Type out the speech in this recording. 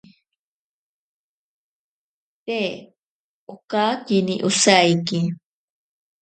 Te okakini osaiki.